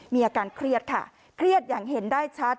มีอาการเครียดค่ะเครียดอย่างเห็นได้ชัด